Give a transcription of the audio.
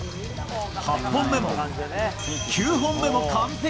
８本目も９本目も完璧。